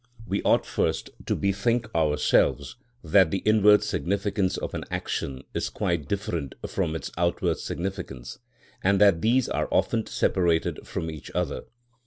We ought first to bethink ourselves that the inward significance of an action is quite different from its outward significance, and that these are often separated from each other.